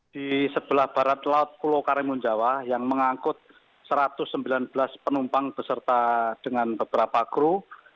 di sebelah barat laut pulau karimun jawa yang mengangkut satu ratus sembilan belas penumpang beserta dengan beberapa kru